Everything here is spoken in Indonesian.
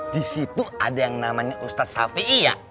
di situ ada yang namanya ustaz safi'i ya